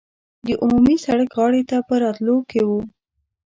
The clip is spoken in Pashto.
د عمومي سړک غاړې ته په راوتلو کې وو.